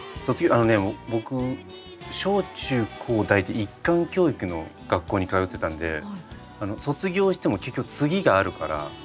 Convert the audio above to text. あのね僕小中高大と一貫教育の学校に通ってたんで卒業しても結局次があるから。